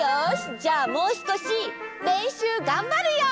じゃあもうすこしれんしゅうがんばるよ！